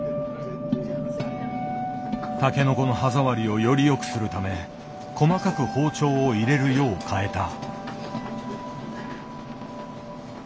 タケノコの歯触りをより良くするため細かく包丁を入れるよう変えた。